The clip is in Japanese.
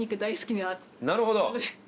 なるほど。